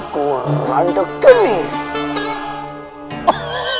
kau bisa mengenalimu